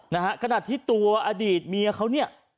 นะฮะขณะที่ตัวอดีตเมียเขาเนี่ย